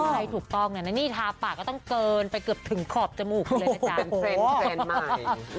ใครถูกต้องเนี่ยนี่ทาปาก็ต้องเกินไปเกือบถึงขอบจมูกเลยนะจ๊ะ